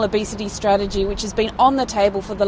yang telah diberikan pada tabelan hidup kita